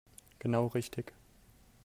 Genau richtig.